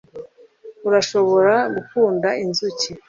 Urashobora gukunda inzuki